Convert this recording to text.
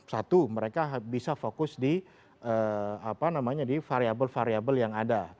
satu mereka bisa fokus di variable variable yang ada